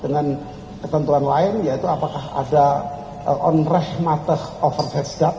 dengan ketentuan lain yaitu apakah ada onrehmateh overhatsdat